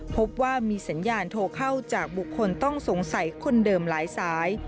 พบว่ามีสัญญาณโทรเข้าจากบุคคลต้องสงสัยคนเดิมหลายสาย